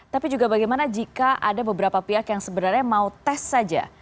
tapi juga bagaimana jika ada beberapa pihak yang sebenarnya mau tes saja